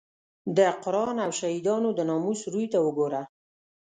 د قران او شهیدانو د ناموس روی ته وګوره.